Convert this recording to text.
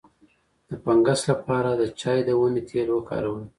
د فنګس لپاره د چای د ونې تېل وکاروئ